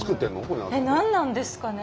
何なんですかね？